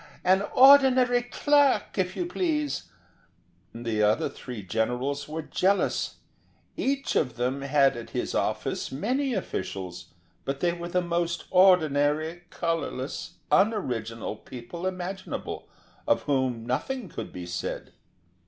An ordinary clerk, if you please." The other three generals were jealous: each of them had at his office many officials, but they were the most ordinary, colourless, un original people imaginable, of whom nothing could be said.